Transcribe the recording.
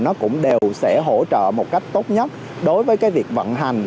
nó cũng đều sẽ hỗ trợ một cách tốt nhất đối với cái việc vận hành